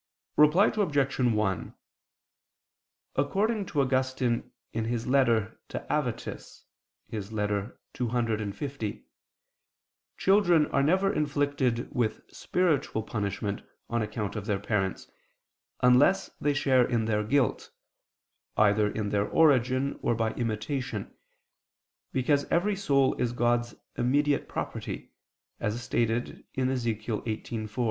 Reply Obj. 1: According to Augustine in his letter to Avitus [*Ep. ad Auxilium ccl.], children are never inflicted with spiritual punishment on account of their parents, unless they share in their guilt, either in their origin, or by imitation, because every soul is God's immediate property, as stated in Ezech. 18:4.